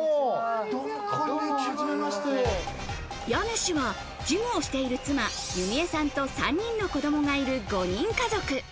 家主は事務をしている妻・弓恵さんと３人の子供がいる５人家族。